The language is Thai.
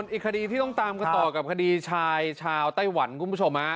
อีกคดีที่ต้องตามกันต่อกับคดีชายชาวไต้หวันคุณผู้ชม